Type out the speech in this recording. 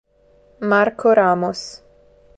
Marco Ramos